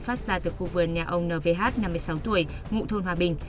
phát ra từ khu vườn nhà ông n v năm mươi sáu tuổi ngụ thôn hòa bình